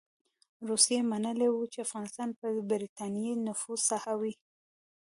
روسيې منلې وه چې افغانستان به د برټانیې د نفوذ ساحه وي.